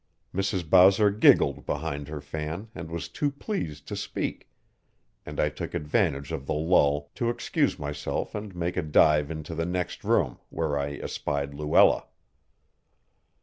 Mrs. Bowser giggled behind her fan and was too pleased to speak, and I took advantage of the lull to excuse myself and make a dive into the next room where I espied Luella.